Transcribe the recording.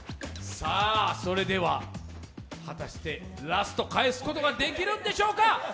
それでは果たして、ラスト返すことができるんでしょうか。